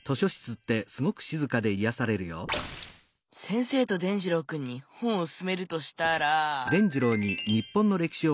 先生と伝じろうくんに本をすすめるとしたら。